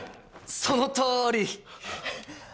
そのとおり！